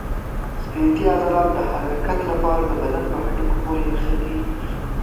سکلیټي عضلې د حرکت لپاره د بدن په هډوکو پورې نښتي دي.